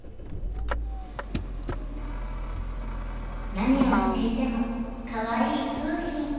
何をしていてもかわいい楓浜。